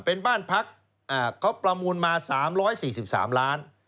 เป็นบ้านพักเขาประมูลมา๓๔๓ล้าน